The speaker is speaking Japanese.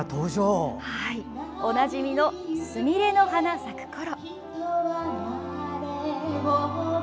おなじみの「すみれの花咲く頃」。